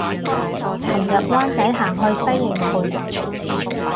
琴日灣仔行去西營盤